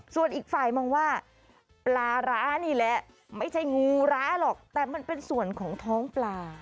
ส่วนอีกฝ่ายมองว่าปลาร้านี่แหละไม่ใช่งูร้าหรอกแต่มันเป็นส่วนของท้องปลา